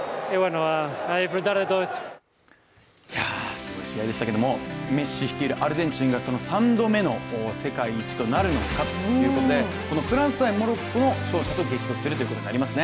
すごい試合でしたけど、メッシ率いるアルゼンチンが３度目の世界一となるのかということで、フランス×モロッコの勝者と激突するということになりますね。